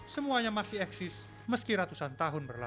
semuanya masih eksis meski ratusan tahun berlalu